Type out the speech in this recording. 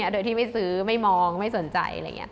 โดยที่ไม่ซื้อไม่มองไม่สนใจ